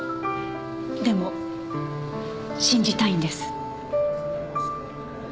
でも信じたいんです。